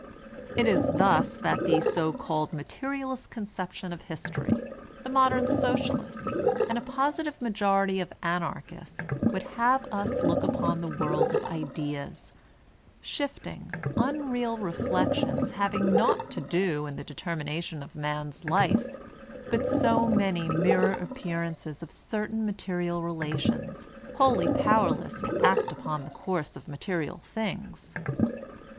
It is thus that the so called Materialist Conception of History, the modem Socialists, and a positive majority of Anarchists would have us look upon the world of ideas, — shifting, unreal reflections, having naught to do in the determination of Man's life, but so many mirror appearances of certain material relations, wholly power less to act upon the course of material things.